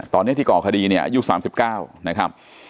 ตอนนี้ที่ก่อคดีเนี่ยอายุ๓๙นะครับ